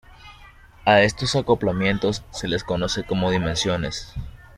A estos acoplamientos se les conoce como dimensiones.